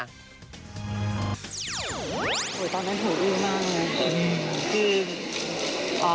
ตอนนั้นหูอื้อมากเลย